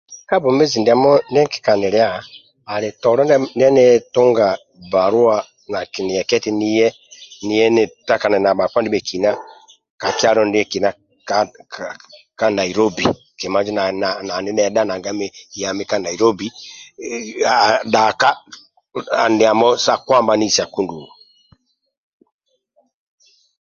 Ka bwomezi ndiamo ndie nkikanilia ali tolo ndie nitunga bbaluwa nakinieka eti niye niye nitakane na bhakpa ndibhekina ka kyalo ndiekina ka ka ka Nailobbi kima injo anidhedha nana emi yami ka Nailobbi dhaka ndiamo sa Kwamba anisaku ndulu